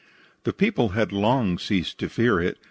The people had long ceased to fear it.